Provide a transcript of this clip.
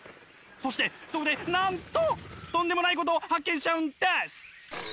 そしてそこでなんととんでもないことを発見しちゃうんです！